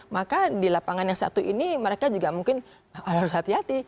maka di lapangan yang satu ini mereka juga mungkin harus hati hati